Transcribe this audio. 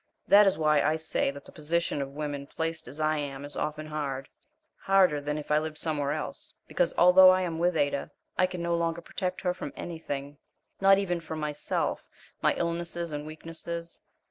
That is why I say that the position of women placed as I am is often hard, harder than if I lived somewhere else, because although I am with Ada I can no longer protect her from anything not even from myself, my illnesses and weaknesses.